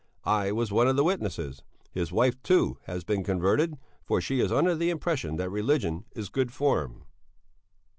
I was one of the witnesses. His wife, too, has been converted, for she is under the impression that religion is good form.